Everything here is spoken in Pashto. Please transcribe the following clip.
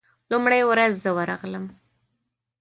لومړۍ ورځ زه ورغلم.